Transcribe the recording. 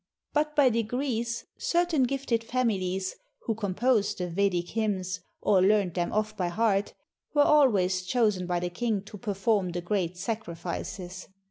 But by degrees certain gifted fam ilies, who composed the Vedic hymns or learned them off by heart, were always chosen by the king to perform the great sacrifices.